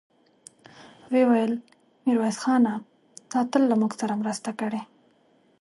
ويې ويل: ميرويس خانه! تا تل له موږ سره مرسته کړې.